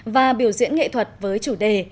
và biểu diễn nghệ thuật với chủ đề